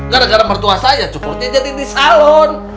gara gara pertua saya cukurnya jadi di salon